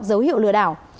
dấu hiệu lừa đảo